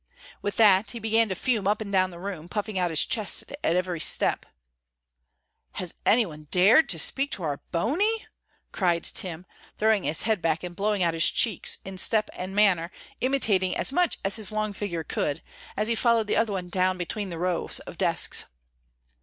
With that he began to fume up and down the room, puffing out his chest at every step. "Has any one dared to speak to our Bony?" cried Tim, throwing his head back and blowing out his cheeks, in step and manner imitating as much as his long figure could, as he followed the other one down between the rows of desks.